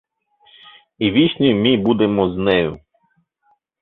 И вични ми будемо з нею.